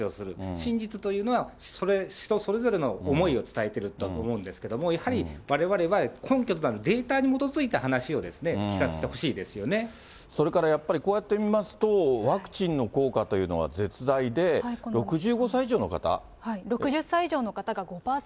真実というのは、人それぞれの思いを伝えているんだと思うんですが、やはりわれわれは根拠となるデータに基づいた話を聞かせてほしいそれからやっぱりこうやって見ますと、ワクチンの効果というのは絶大で、６０歳以上の方が５％。